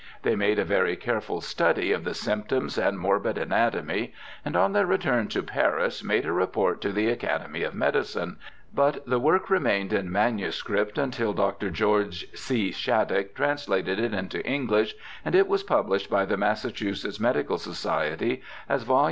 They made a very careful study of the symptoms and morbid anatomy, and on their return to Paris made a report to the Academy of Medicine, but the work remained in manuscript until Dr. Geo. C. Shattuck translated it into Enghsh and it was published by the Massachusetts Medical Society as vol.